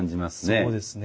そうですね。